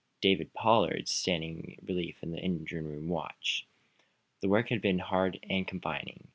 David Pollard standing relief engine room watch. The work had been hard and confining.